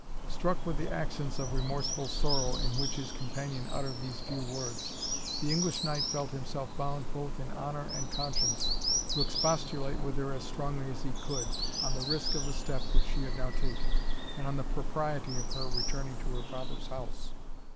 Struck with the accents of remorseful sorrow in which his companion uttered these few words, the English knight felt himself bound both in honour and conscience to expostulate with her as strongly as he could, on the risk of the step which she had now taken, and on the propriety of her returning to her father's house.